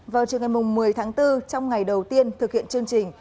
vào trường ngày một mươi tháng bốn trong ngày đầu tiên thực hiện chương trình